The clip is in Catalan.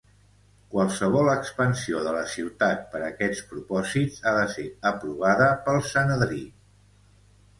Qualsevol expansió de la ciutat per aquests propòsits ha de ser aprovada pel Sanedrí.